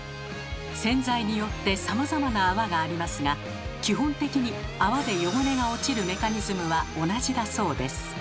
洗剤によってさまざまな泡がありますが基本的に泡で汚れが落ちるメカニズムは同じだそうです。